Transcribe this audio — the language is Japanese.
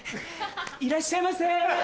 いらっしゃいませ！